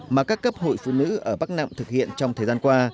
mà các cấp hội phụ nữ ở bắc nạm thực hiện trong thời gian qua